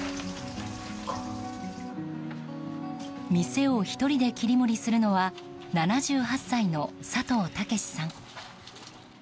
店を１人で切り盛りするのは７８歳の佐藤剛さん。